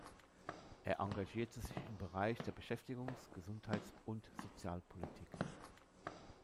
Er engagierte sich im Bereich der Beschäftigungs-, Gesundheits- und Sozialpolitik.